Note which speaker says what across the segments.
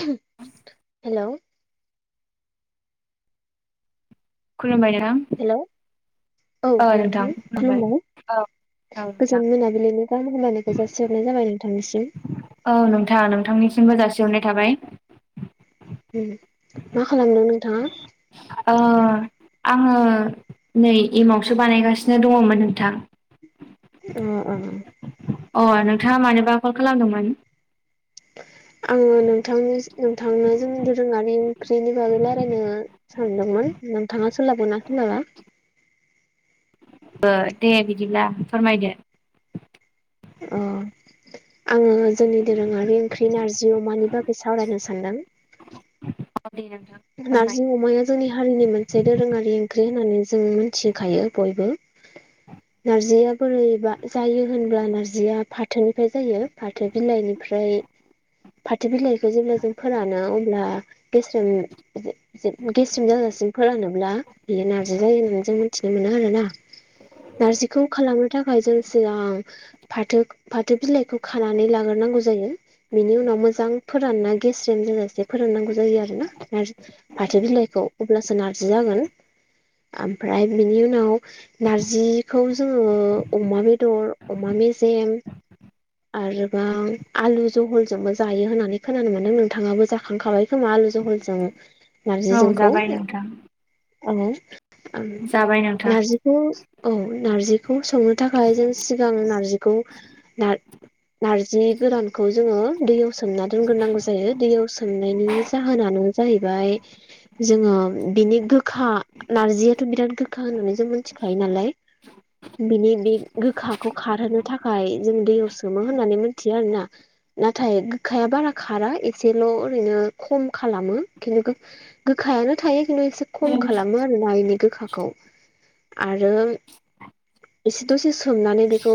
Speaker 1: हेल'
Speaker 2: खोलोमबाय नोंथां
Speaker 1: हेलौ
Speaker 2: औ नोंथां खोनाबाय औ औ नोंथां
Speaker 1: गोजोन मोनाबिलिनि गाहाम हामलायनायखौ जासिहरनाय जाबाय नोंथांनिसिम
Speaker 2: औ नोंथां नोंथांनिसिमबो जासिग हरनाय थाबाय
Speaker 1: मा खालामदों नोंथाङा
Speaker 2: ओ आङो नै एमावसो बानायगासिनो दङमोन नोंथां
Speaker 1: अ अ
Speaker 2: अ नोंथाङा मानोबा कल खालामदोंमोन
Speaker 1: [inaudible] आङो नोंथांनि नोंथांनो जोंनि दोरोङारि ओंख्रिनि बागै रायलायनो सानदोंमोन नोंथाङा सोलाबगोनना सोलाबा
Speaker 2: ओ दे बिदिब्ला फोरमायदो
Speaker 1: अ आङो जोंनि दोरोङारि ओंख्रि नारजि अमानि बा सावरायनो सानदों
Speaker 2: औ दे नोंथां फोरमाय
Speaker 1: नारजि अमाया जोंनि हारिनि मोनसे दोरोङारि ओंख्रि होननानै जों मिथिखायो बयबो नारजिया बोरैबा जायो होनब्ला नारजिया फाथोनिफ्राय जायो फाथो बिलाइनिफ्राय फाथो बिलाइखौ जेब्ला जों फोरानो अब्ला बेसरेम गेस्रेम जाजासिम फोरानोब्ला बेयो नार्जि जायो होननानै जों मिथिनो मोनो आरोना नारजिखौ खालामनो थाखाय जों सिगां फाथो फाथो बिलाइखौ खानानै लाग्रो नांगौ जायो बिनि उनाव मोजां फोरानना गेस्रेम जाजासे फोराननांगौ जायो आरोना? फाथो बिलाइखौ अब्लासो नार्जि जागोन आमफ्राय बेनि उनाव नारजिखौ जोङो अमा बेदर अमा बे मेजेम आरोबाव आलु जहलजोंबो जायो होननानै खोनानो मोनदों नोंथाङाबो जाखांखाबाय खोमा आलु जहलजों
Speaker 2: औ
Speaker 1: नारजिजोंखौ
Speaker 2: जाबाय नोंथां
Speaker 1: औ
Speaker 2: जाबाय नोंथां
Speaker 1: नारजिखौ औ नारजि खौ संनो थाखाय जों सिगां नारजिखौ नार नारजि गोरानखौ जोङो दैयाव सोमना दोनग्रोनांगौ जायो दैयाव सोमनायनि जाहोनानो जायो जोङो बिनि गोखा नारजियाथ' बिराद गोखा होननानै जों मोथिखा नालाय बिनि बे गोखाखौ खारहोनो थाखाय जों दैयाव सोमो होननानै मोनथियो आरोना नाथाय गोखाया बारा खारा एसेल' ओरैनो खम खालामो खिन्थु गोखायानो थायो खिन्थु एसे खम खालामो आरोना एनि गोखाखौ आरो एसे दसे सोमनानै बेखौ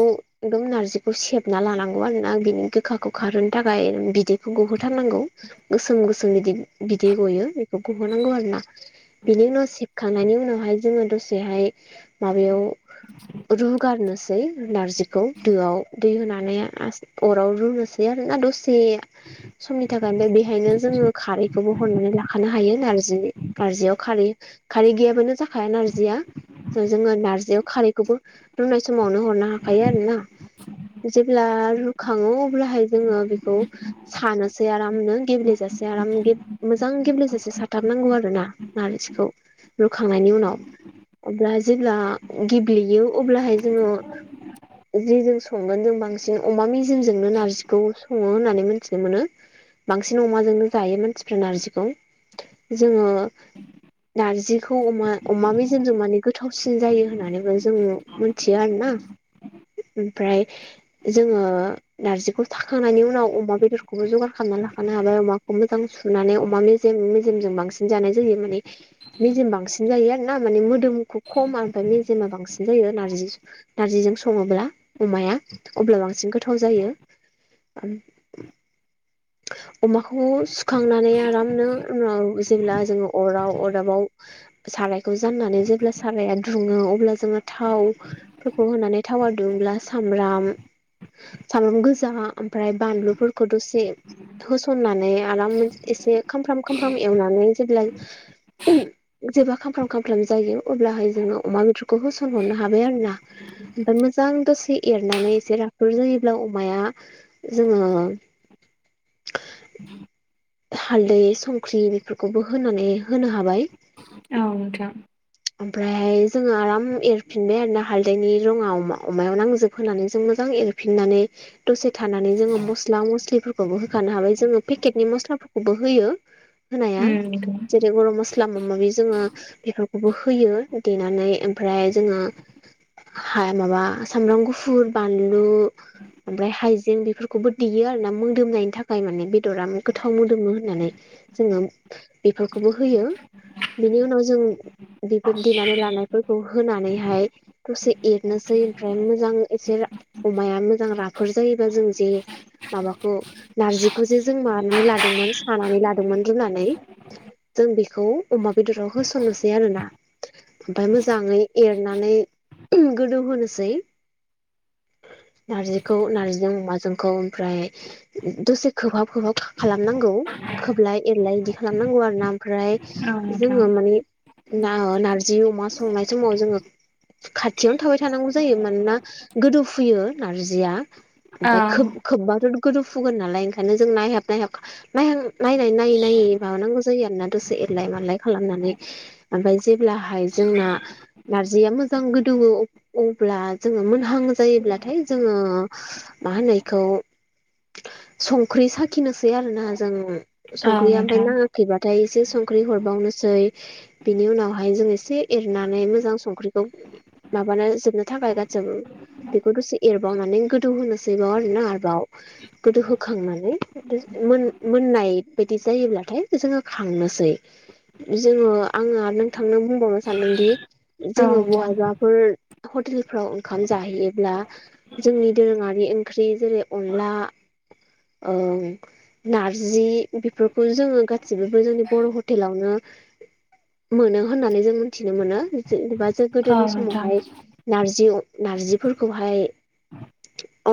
Speaker 1: एदम नारजिखौ सेबना लानांगौ आरोना बिनि गोखाखौ खारहोनो थाखाय बिदैखौ गहोथारनांगौ गोसोम गोसोम आदि बिदै दि गयो बेखौ गहोनांगौ आरो ना बिनि उनाव सेबखांनायनि उनावहाय जोङो दसेहाय माबायाव रुगारनोसै नारजिखौ दोआव दै होनानै अराव रुनोसै आरो दसे समनि थाखाय बेहायनो जोङो खारै खौबो हरनानै लाखानो हायो नारजि नारजियाव खारै खारै गैयाबानो जाखाया नारजिया जोङो नारजियाव खारैखौबो रूनाय समावनो हरनो हाखायो आरो ना जेब्ला रुखाङो अब्लाहाय जोङो बेखौ सानोसै आरामनो गेब्लेजा से आराम गेब मोजां गेब्लेजासे साथाबनांगौ आरो ना नार्जिखौ रुखांनायनि उनाव अब्ला जेब्ला गेब्लेयो अब्लाहाय जोङो जि जों संगोन जों बांसिन अमा मेजेमजोंनो नारजिखौ सङो होननानै मोनथिनो मोनो बांसिन अमाजोंनो जायो मानसिफ्रा नारजिखौ जोङो नारजिखौ अमा अमा मेजेमजों माने गोथावसिन जायो होननानैबो जोङो मोनथियो आरोोना ओम ओमफ्राय जोङो नारजिखौ थाखांनायनि उनाव अमा बेदरखौबो जगार खालाम खानो हाबाय अमाखौ मोजां सु नानै अमा मेजेम मेजेमजों बांसिन जानाय जायो माने मेजेम बांसिन जायो आरो ना माने मोदोम खमा ओमफाय मेजेमा बांसिन जायो नारजि नारजिजों सङोब्ला अमाया अब्ला बांसिन गोथाव जायो। अमाखौ सुखांनानै आरामनो उनाव जेब्ला जोङो अराव अरदाबाव सारायखौ जाननानै जेब्ला साराया दुङो अब्ला जोङो थावफोरखौ होनानै थाव हारदोंब्ला सामब्राम सामब्राम गोजा ओमफ्राय बानलुफोरखौ दसे होसननानै आराम एसे खामफ्राम खामफ्राम एवनानै जेब्ला जेबब्ला खामफ्राम खामफ्राम जायो अब्लाहाय जोङो अमा मदरुखौ होसनहरनो हाबाय आरो ना ओमफ्राय मोजां दसे एरनानै एसे राफोद जोायोब्ला अमाया जोङो [inaudible] हालदै संख्रि बेफोरखौबो होनानै होनो हाबाय
Speaker 2: औ नोंथां
Speaker 1: ओमफ्रायहाय जोङो आराम एरफिनबाय आरो ना हालदैनि रङाा अमायाव नांजोब होनानै जों मोजां एरफिननानै दसे थानानै जोङो मस्ला मस्लिफोरखौबो होखानो हाबाय जोङो पेकेटनि मस्लाफोरखौबो होयो होनाया
Speaker 2: उम
Speaker 1: जेरै गरम मस्ला माबा माबि जोङो बेफोरखौबो होयो देनानै ओमफ्राय जोङो माबा सामब्राम गुफुर बानलु ओमफ्राय हाइजें बेफोरखौबो देयो आरो ना मोदोमनायनि थाखाय माने बेदरा गोथाव मोदोमो होननानै जोङो बेफोरखौबो होयो बिनि उनाव जों बेफोर देनानै लानायफोरखौ होनानैहाय दसे एरनोसै ओमफ्राय मोजां एसे अमाया मोजां राफो जायो बा जों जे माबाखौ नारजिखौसो जों मानानै लादोंमोन सानानै लादोंमोन रुनानै जों बेखौ अमा बेदराव होसननोसै आरोना ओमफ्राय मोजाङै एरनानै गोदौ होनोसै नारजिखौ नारजिजों अमाजोंखौ ओमफ्राय दसे खोबहाब खोबहाब खालामनांगौ खोबलाय एरलाय बिदि खालामनांगौ आर ना ओमफ्राय
Speaker 2: नोंथां
Speaker 1: जोङो माने नारजि अमा संनाय समाव जोङो खाथियावनो थाबाय थानांगौ जायो मानोना गोदौ फुयो नारजिया
Speaker 2: औ नोंथां औ
Speaker 1: ओमफ्राय खोम्बा द गोदौफुगोन नालाय ओंखायनो जों नायहाब नायहाब नायह नायनानै नायै नायै माबानांगौ जायो आरोना दसे एरलाय मालाय खालामनानै ओमफ्राय जेब्लाहाय जोंना नारजिया मोजां गोदोङो अब्ला जोङो मोनहां जायोब्लाथाय जोङो मा होनो इखौ संख्रि साखिनोसै आरो ना जों
Speaker 2: औ
Speaker 1: संख्रिया ओमफ्राय
Speaker 2: नोंथां
Speaker 1: नाङाखैबाथाय एसे संख्रि हरबावनोसै बिनि उनावहाय जों एसे एरनानै मोजां संख्रिखौ माबानानै जोबनो थाखाय गासैबो बेखौ दसे एरबावनानै गोदौ होनोसै आरोना आरोबाव गोदो होखांनानै मोननाय बायदि जायोब्लाथाय जोङो खांनोसै जोङो आङो नोंथांनो बुंबावनो सानदोंदि
Speaker 2: औ
Speaker 1: जोङो
Speaker 2: नोंथां
Speaker 1: बहायबाफोर हटेलफ्राव ओंखाम जाहैयोब्ला जोंनि दोरोङारि ओंख्रि जेरै अनला [inaudible] नारजि बेफोरखौ जोङो गासिबोबो जोंनि बर' हटेलावनो मोनो होननानै जों मिथिनो मोनो जेनेबा जों गोदोनि
Speaker 2: औ नोंथां
Speaker 1: समावहाय नारजि नारजिफोरखौहाय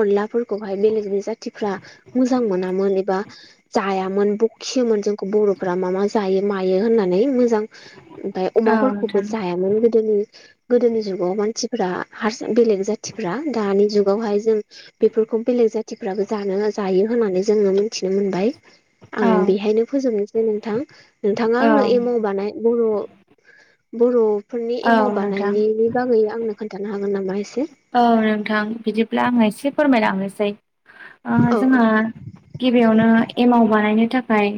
Speaker 1: अनलाफोरखौहाय बेलेगनि जाथि फ्रा मोजां मोनामोन एबा जायामोन बखियोमोन जोंखौ बर'फ्रा मा मा जायो म होननानै मोजां ओमफ्राय
Speaker 2: औ
Speaker 1: अमाफोरखौबो
Speaker 2: नोंथां
Speaker 1: जायामोन गोदोनि गोदोनि जुगाव मानसिफ्रा हार बेलेग जाथिफ्रा दानि जुगावहाय जों बेफोरखौ बेलेग जाथिफ्राबो जानो जायो होननानै जोङो मोनथिनो मोनबाय आं
Speaker 2: औ
Speaker 1: बेहायनो फोजोबनोसै नोंथां नोंथाङा आंनो एमाव
Speaker 2: औ
Speaker 1: बानाय बर' बर'फोरनि
Speaker 2: औ
Speaker 1: एमाव
Speaker 2: नोंथां
Speaker 1: बानायनायनि बागै आंनो खोन्थानो हागोन नामा एसे
Speaker 2: औ नोंथां बिदिब्ला आं एसे फोरमायलांनोसै
Speaker 1: औ
Speaker 2: जोंहा गिबियावनो एमाव बानायनो थाखाय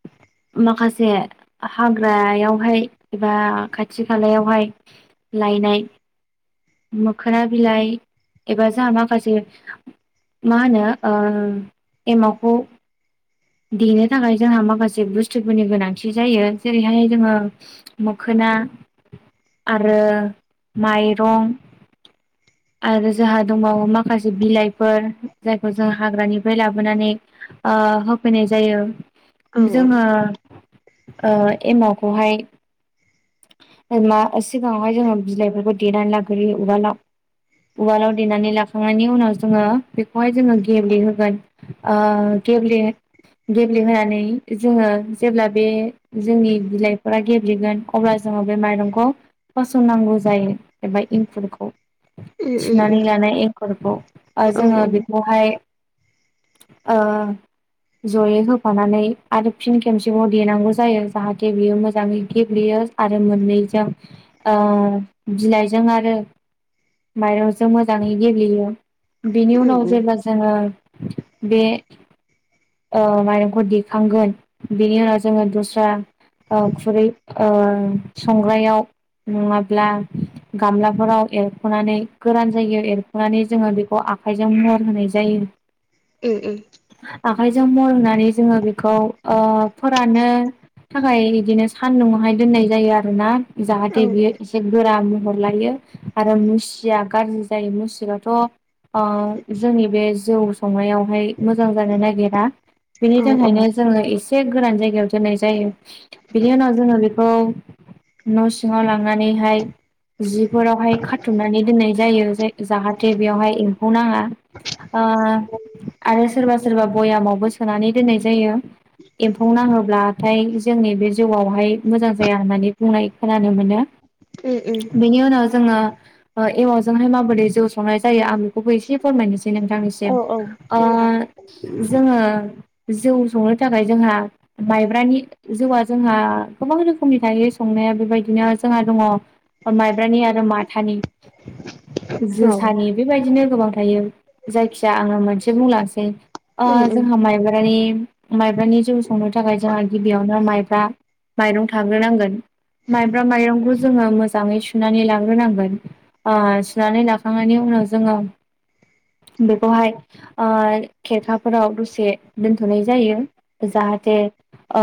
Speaker 1: [inaudible]
Speaker 2: माखासे हाग्रायावहाय एबा खाथि खालायावहाय लायनाय मोखोना बिलाइ एबा जोंहा माखासे मा होनो एमावखौ देनो थाखाय जोंहा माखासे बुस्थुफोरनि गोनांथि जायो जेरैहाय जोङो मोखोना ना आरो माइरं आरो जोहा दंबावो मा माखासे बिलाइफोर जायखौ जों हाग्रानिफ्राय लाबोनानै फैनाय जायो
Speaker 1: औ
Speaker 2: जोङो ओ एमावखौहाय मा सिगाङावहाय जोङो बिलाइफोरखौ देनानै लाग्रोयो उवाल आव उवालाव देनानै लाखांनायनि उनाव जोङो बेखौहाय जोङो गेब्लेहोगोन ओ गेब्ले गेब्लेहोनानै जोङो जेब्ला बे जोंनि बिलाइफोरा गेब्लेगोन अब्ला जोङो बे माइरंखौ फसरनांगौ जायो एबा इंखुरखौ सुनानै लानाय एंखुरखौ
Speaker 1: औ उम औ
Speaker 2: जोङो बेखौहाय ओ जयै होफानानै आरो फिन खेमसेबाव देनांगौ जायो जाहाथे बियो मोजाङै गेब्लेयो आरो मोननैजों ओ बिलाइजों आरो माइरंजों मोजाङै गेब्लेयो बेनि
Speaker 1: उम
Speaker 2: उनाव
Speaker 1: उम
Speaker 2: जेब्ला जोङो बे ओ माइरंखौ दिखांगोन बेनि उनाव जोङो दस्रा खुरै ओ संग्रायाव नङाब्ला गामलाफोराव एरख'नानै गोरान जायगायाव एरख'नानै जोङो बेखौ आखाइजों महर होनाय जायो
Speaker 1: ओ ओ
Speaker 2: जों बनानै जोङो बेखौ फोराननो थाखाय बिदिनो सानदुंहाय दोनो नाय जायो आरोना
Speaker 1: औ
Speaker 2: जाहाथे बियोसे गोरा महर लायो आरो मुसिया गाज्रि जायो मुसिबाथ' जोंनि बे जौ संनायाव हाय मोजां जानो नागिरा बेनि
Speaker 1: औ
Speaker 2: थाखायनो जोङो एसे गोरान जायगायाव दोननाय जायो बिनि उनाव जोङो बेखौ न' सिङाव लांनानैहाय जिफोरावहाय खाथुमनानै दोननाय जायो जाहाथे बेवहाय एम्फौ नाङा ओ आरो सोरबा सोरबा बयामावबो सोनानै दोननाय जायो एम्फौ नाङोब्लाथाय जोंनि बे जौवावहाय मोजां जाया होननानै बुंनाय खोनानो मोनो
Speaker 1: उ उ
Speaker 2: बेनि उनाव जोङो एमाव जोंहाय माबोरै जौ संनाय जायो आं बेखौबो एसे फोरमायनोसै नोंथांनिसिम
Speaker 1: औ औ उम उम
Speaker 2: ओ
Speaker 1: उम औ औ
Speaker 2: जोङो जौ संनो थाखाय जोंहा माइब्रानि जौआ जोंहा गोबां रोखोमनि थायो संनाया बेबायदिनो जोंहा दङ माइब्रानि आरो माथानि जोसानि बेबायदिनो खोमनि थायो जायखि आङो मोनसे बुंलांसै
Speaker 1: उम औ उम उम
Speaker 2: माइब्रानि माइब्रानि जौ संनो थाखाय जोंहा गिबियावनो माइब्रा माइरं थाग्रोनांगोन माइब्रा माइरंखौ जोङो मोजाङै सुनानै लाग्रोनांगोन ओ सुनानै लाखांनायनि उनाव जोङो बेखौहाय ओ खेरखाफोराव दसे दोनथ'नाय जायो जाहाथे ओ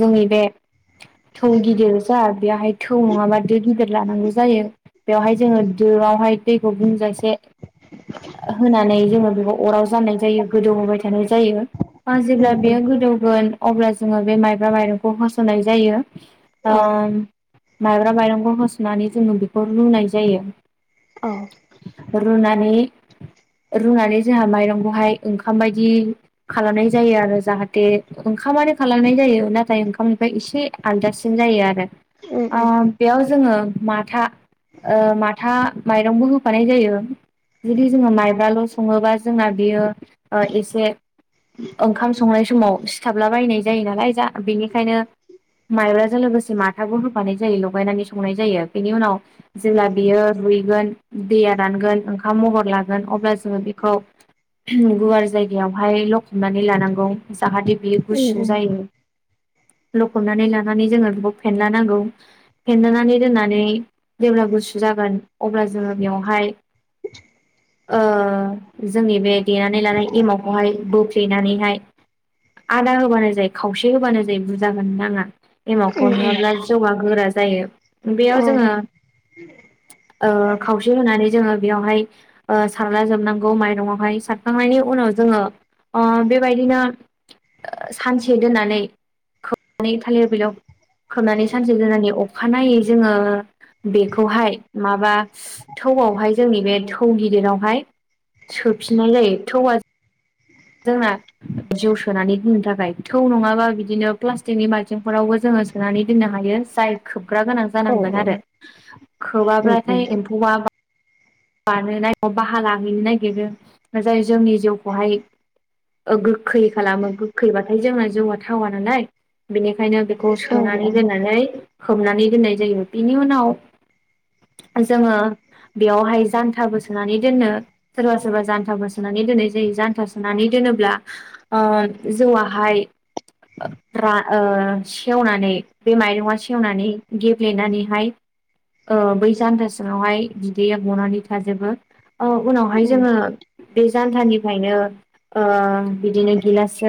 Speaker 2: जोंनि बे
Speaker 1: [inaudible]
Speaker 2: थौ गिदिर जा बेवहाय थौ नङाबा दो गिदिर लानांगौ जायो बेवहाय जोङो दोआवहाय दैखौ बुंजासे होनानै जोङो बेखौ अराव जाननाय जायो गोदौहोबाय थायो थानाय जायो जेब्ला बेयो गोदौगोन अब्ला जोंङो बे माइब्रा माइरंखौ होसननाय जायो। माइब्रा माइरंखौ होसननानै जोंङो बेखौ रुनाय जायो।
Speaker 1: औ
Speaker 2: रुनानै जोंहा माइरंखौहाय ओंखामबाय बिदि खालामनाय जायो आरो जाहाथे ओंखामानो खालामनाय जायो नाथाय ओंखामनिफ्राय एसे आलदासिन जायो आरो बेयाव जोंङो माथा माथा माइरंबो होफानाय जायो। जुदि जोंङो माइब्राल' संङोबा जोंना बियो एसे ओंखाम संनाय समाव सिथाबला बायनाय जायो नालाय जा बेनिखायनो माइब्राजों लोगोसे माथाबो होफानाय जायो लगायनानै संनाय जायो बेनि उनाव जेब्ला बेयो रुयगोन दैया रानगोन ओंखाम महर लागोन अब्ला जों बेखौ जायगायावहाय लखबनानै लानांगौ जाहाथे बियो गुसु जायो।
Speaker 1: [inaudible]
Speaker 2: लखबनानै लानानै जोंङो बेखौ फेेनला नांगौ फेनलानानै दोननानै जेब्ला गुसु जागोन अब्ला जोंङो बेयावहाय
Speaker 1: [inaudible]
Speaker 2: जोंनि बे देनानै लानाय एमावखौहाय बोफेलेनानैहाय आदा होबानो जायो खावसे होबानो जायो बुरजाागोन नांङा एमावखौ हाङाब्ला जौआ गोरा जायो बेयाव जोंङो
Speaker 1: [unintelligible]
Speaker 2: खावसे होनानै जोंङो बेयावहाय सारला जोबनांगौ माइरंआवहाय सारखांनायनि उनाव जोंङो बेबायदिनो सानसे दोननानै खोबनानै थालिर बिलाव खोबनानै सानसे जानि अखानायै जोंङो बेखौहाय माबा थौआवहाय जोंनि बे थौ गिदिरावहाय सोफिननाय जायो थौ जोंना जिउ सोनानै होनो थाखाय थौ नंङाबा बिदिनो प्लास्टिकनि बालथिंफोरावबो जोंङो सोनानै दोननो हायो जायखौ खोबग्रा गोनां जानांगोन आरो खोबाब्लाथाय एम्फौआ बाहा लाहैनो नागिरो जाय जोंनि जौखौहाय गोखै खालामो गोखैबाथाय जोंना जौआ थावा नालाय बेनिखायनो बेखौ
Speaker 1: औ
Speaker 2: सुनानै
Speaker 1: औ
Speaker 2: दोननानै खोबनानै दोननाय जायो बिनि उनाव जोंङो बेयावहाय जान्था बो सोनानै दोननो सोरबा सोरबा जान्था बो सोनानै दोननाय जायो जान्था सोनानै दोनोब्ला जौआाहाय सेवनानै बे माइरं सेवनानै गेब्लेनानैहाय बै जानथा सिङांवहाय बिदैया गनानै थाजोबो उनावहाय
Speaker 1: उम
Speaker 2: जोंङो बे जानथानिफ्रायनो बिदिनो गिलासजों